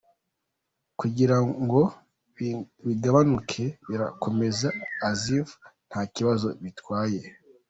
kugira ngo bigabanuke birakomeza ‘as if’ nta kibazo bitwaye.